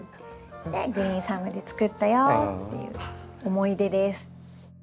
で「グリーンサム」で作ったよっていう思い出です。